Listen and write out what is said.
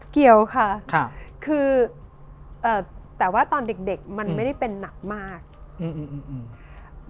เกี่ยวค่ะค่ะคือเอ่อแต่ว่าตอนเด็กมันไม่ได้เป็นนักมากอืมอืมอืมอืม